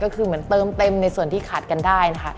ก็คือเหมือนเติมเต็มในส่วนที่ขาดกันได้นะคะ